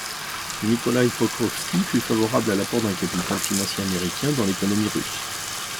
Nikolaï Pokrovski fut favorable à l'apport d'un capital financier américain dans l'économie russe.